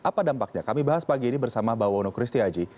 apa dampaknya kami bahas pagi ini bersama bawono christiaji